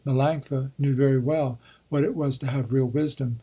Melanctha knew very well what it was to have real wisdom.